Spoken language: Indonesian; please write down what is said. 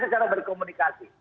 siapa yang berkomunikasi